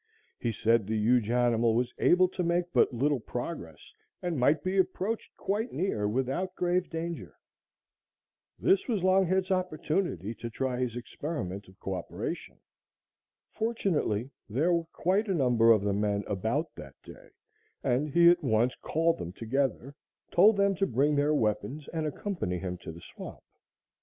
He said the huge animal was able to make but little progress and might be approached quite near without grave danger. This was Longhead's opportunity to try his experiment of coöperation. Fortunately, there were quite a number of the men about that day, and he at once called them together, told them to bring their weapons and accompany him to the swamp.